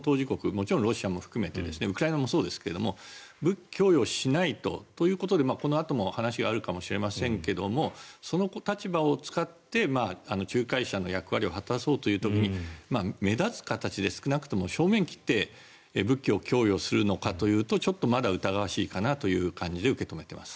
もちろんロシアも含めてウクライナもそうですが武器を供与しないということでこのあとも話があるかもしれませんがその立場を使って仲介者の役割を果たそうという時に目立つ形で少なくとも正面切って武器を供与するのかというとちょっとまだ疑わしいかなという感じで受け止めています。